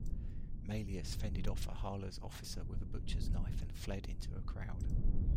Maelius fended off Ahala's officer with a butcher's knife and fled into a crowd.